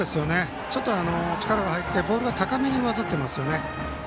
ちょっと力が入ってボールが高めに上ずってますね。